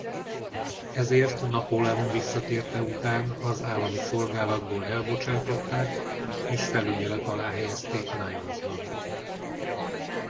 Ezért Napóleon visszatérte után az állami szolgálatból elbocsátották és felügyelet alá helyezték Nyons-ban.